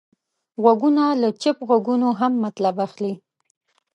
غوږونه له چوپ غږونو هم مطلب اخلي